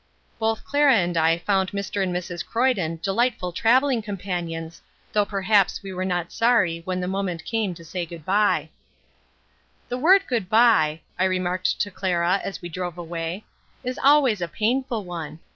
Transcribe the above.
Both Clara and I found Mr. and Mrs. Croyden delightful travelling companions, though perhaps we were not sorry when the moment came to say good bye. "The word 'good bye,'" I remarked to Clara, as we drove away, "is always a painful one.